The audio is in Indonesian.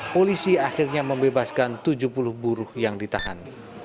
polisi akhirnya membebaskan tujuh puluh buruh yang ditahan